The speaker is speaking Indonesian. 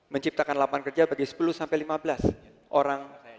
menciptakan lapangan kerja bagi sepuluh sampai lima belas orang